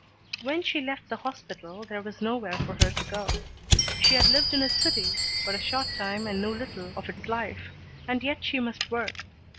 When she left the hospital there was nowhere for her to go. She had lived in a city but a short time and knew little of its life, and yet she must work.